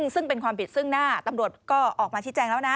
ซึ่งเป็นความผิดซึ่งหน้าตำรวจก็ออกมาชี้แจงแล้วนะ